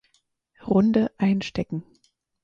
Runde einstecken.